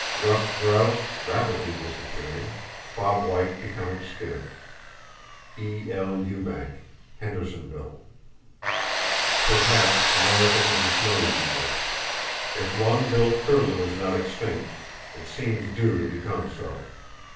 Ruffed grouse rapidly disappearing; bobwhite becoming scarce.—(E.L. Ewbank, Hendersonville.) Perhaps American and snowy egret. If long billed curlew is not extinct, it seems due to become so.